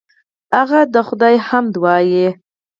هغه د خدای حمد وایه.